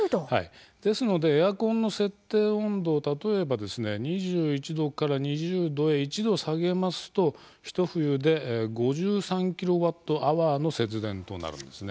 ですのでエアコンの設定温度を例えば２１℃から２０℃へ１℃下げますとひと冬で５３ｋＷｈの節電となるんですね。